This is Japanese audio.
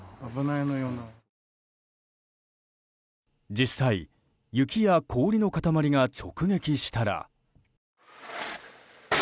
実際雪や氷の塊が直撃したら。